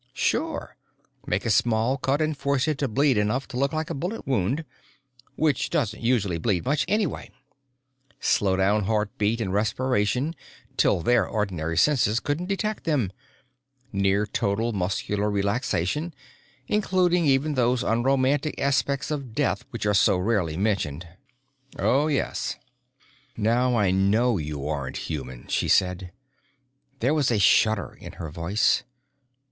"Sure. Make a small cut and force it to bleed enough to look like a bullet wound which doesn't usually bleed much, anyway. Slow down heartbeat and respiration till their ordinary senses couldn't detect them. Near total muscular relaxation, including even those unromantic aspects of death which are so rarely mentioned. Oh yes." "Now I know you aren't human," she said. There was a shudder in her voice.